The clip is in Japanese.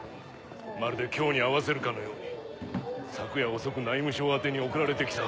まるで今日に合わせるかのように昨夜遅く内務省宛てに送られて来た。